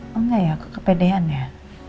oh engga ya aku kepedean ya